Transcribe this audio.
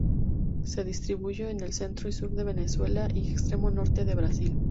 Se distribuye en el centro y sur de Venezuela y extremo norte de Brasil.